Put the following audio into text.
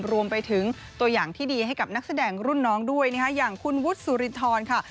รวมไปถึงตัวอย่างที่ดีให้กับนักแสดงรุ่นน้องด้วยนะคะอย่างคุณวุฒิสุรินทรค่ะ